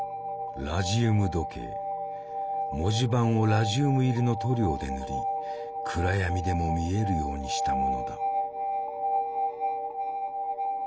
文字盤をラジウム入りの塗料で塗り暗闇でも見えるようにしたものだ。